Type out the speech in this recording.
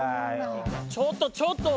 ちょっとちょっと！